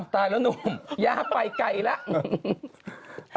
ตายแล้วนุ่มย่าไปไกลแล้ว